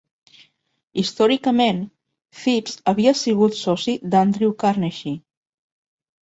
Històricament, Phipps havia sigut soci d'Andrew Carnegie.